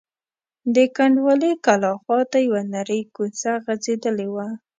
د کنډوالې کلا خواته یوه نرۍ کوڅه غځېدلې وه.